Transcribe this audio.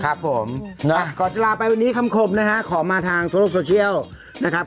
ครับผมก่อนจะลาไปวันนี้คำคมนะฮะขอมาทางโซเชียลนะครับ